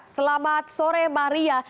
selamat sore maria